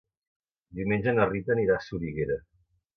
Diumenge na Rita anirà a Soriguera.